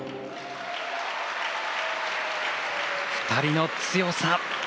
２人の強さ。